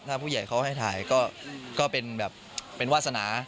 ถ้าผู้ใหญ่เขาให้ถ่ายก็เป็นแบบเป็นวาสนา